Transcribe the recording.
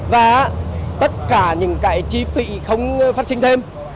và tất cả những cái chi phí không phát sinh thêm